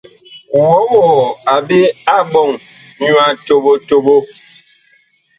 Wɔwɔɔ a ɓe a ɓɔŋ nyu a toɓo toɓo ?